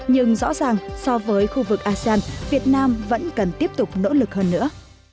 nhưng rõ ràng so với khu vực asean việt nam vẫn cần tiếp tục nỗ lực hơn nữa